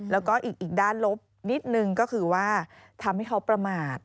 แล้วก็อีกด้านลบนิดนึงก็คือว่าทำให้เขาประมาท